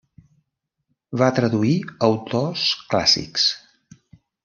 Va traduir autors clàssics.